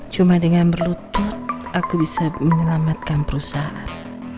cuma dengan berlutu aku bisa menyelamatkan perusahaan